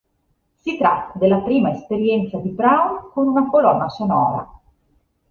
Si tratta della prima esperienza di Brown con una colonna sonora.